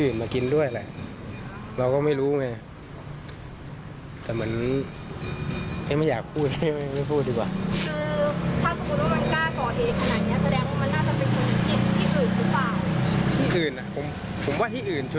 แสดงว่ามันน่าจะเป็นคนที่อื่นหรือเปล่าที่อื่นผมว่าที่อื่นชัวร์